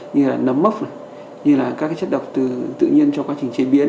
như là nấm mốc như là các cái chất độc từ tự nhiên cho quá trình chế biến